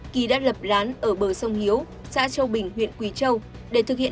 kỳ đã lập lán ở bờ sông hiếu xã châu bình huyện quỳ châu